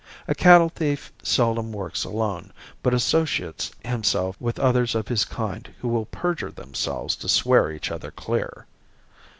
A cattle thief seldom works alone, but associates himself with others of his kind who will perjure themselves to swear each other clear.